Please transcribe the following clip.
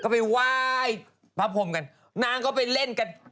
ผ้าผมกันนางเค้าไปเล่นกัน